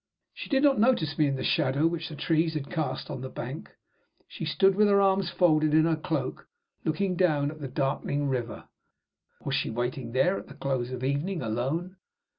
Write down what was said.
She did not notice me in the shadow which the trees cast on the bank. She stood with her arms folded in her cloak, looking down at the darkening river. Why was she waiting there at the close of evening alone?